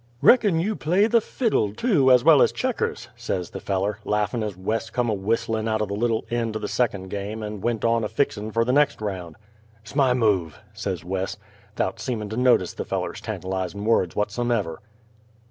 "Reckon you play the fiddle, too, as well as Checkers?" says the feller, laughin', as Wes come a whistlin' out of the little end of the second game and went on a fixin' fer the next round. "'S my move!" says Wes, 'thout seemin' to notice the feller's tantalizin' words whatsomever.